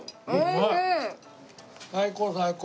最高最高。